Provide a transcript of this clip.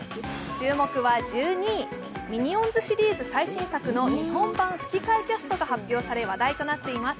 注目は１２位、ミニオンズシリーズ最新版日本語版吹き替えキャストが発表になっています。